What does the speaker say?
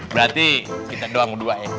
berarti kita doang dua ya